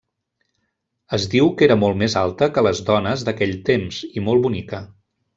Es diu que era molt més alta que les dones d'aquell temps i molt bonica.